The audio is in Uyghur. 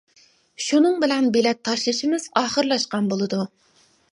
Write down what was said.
شۇنىڭ بىلەن بىلەت تاشلىشىمىز ئاخىرلاشقان بولىدۇ.